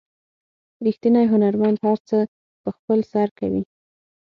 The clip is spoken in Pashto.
ریښتینی هنرمند هر څه په خپل سر کوي.